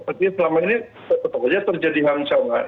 jadi selama ini sebetulnya terjadi hancur